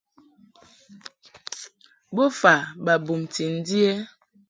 Bofa ba bumti ndi ɛ?